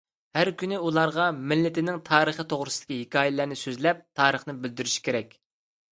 ھەر كۈنى ئۇلارغا مىللىتىنىڭ تارىخى توغرىسىدىكى ھېكايىلەرنى سۆزلەپ، تارىخنى بىلدۈرۈشى كېرەك.